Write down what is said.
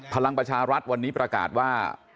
พลังประชารัฐวันนี้ประกาศว่า